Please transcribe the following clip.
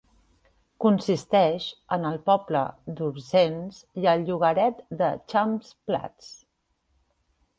Consisteix en el poble d'Orzens i el llogaret de Champs Plats.